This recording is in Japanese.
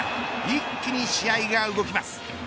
一気に試合が動きます。